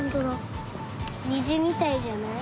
にじみたいじゃない？